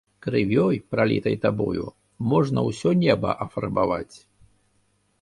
Крывёй, пралітай табою, можна ўсё неба афарбаваць.